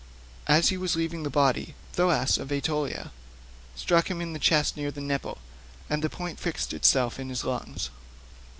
As he was leaving the body, Thoas of Aetolia struck him in the chest near the nipple, and the point fixed itself in his lungs.